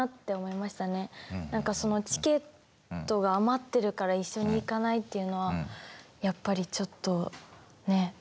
何か「チケットが余ってるから一緒に行かない？」っていうのはやっぱりちょっとね。